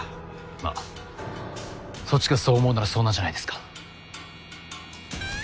まあそっちがそう思うならそうなんじゃないですか。